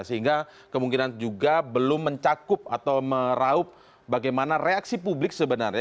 sehingga kemungkinan juga belum mencakup atau meraup bagaimana reaksi publik sebenarnya